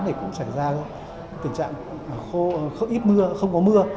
thì cũng xảy ra tình trạng khô ít mưa không có mưa